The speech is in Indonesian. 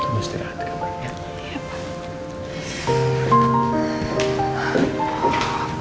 udah istirahat kamarnya